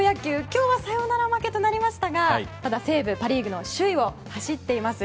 今日はサヨナラ負けとなりましたが西武はパ・リーグの首位を走っています。